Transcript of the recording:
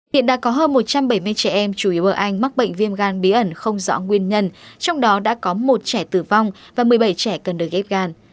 hiện đã có hơn một trăm bảy mươi trẻ em chủ yếu ở anh mắc bệnh viêm gan bí ẩn không rõ nguyên nhân trong đó đã có một trẻ tử vong và một mươi bảy trẻ cần được ghép gan